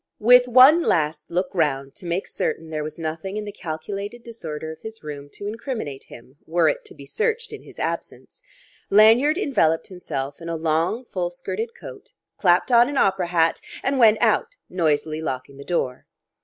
With one last look round to make certain there was nothing in the calculated disorder of his room to incriminate him were it to be searched in his absence, Lanyard enveloped himself in a long full skirted coat, clapped on an opera hat, and went out, noisily locking the door.